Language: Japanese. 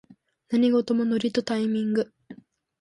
何事もノリとタイミング